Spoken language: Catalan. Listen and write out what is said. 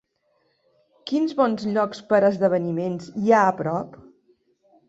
Quins bons llocs per a esdeveniments hi ha a prop?